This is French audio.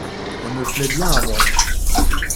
Elle me plaît bien à moi.